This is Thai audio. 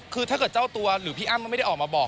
คือถ้าเกิดเจ้าตัวหรือพี่อ้ำไม่ได้ออกมาบอก